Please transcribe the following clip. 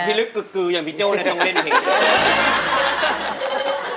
คนที่ลึกกึกกึอย่างพี่โจเลยต้องเล่นอีก